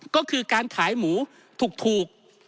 ก็คือการขายหมูถูก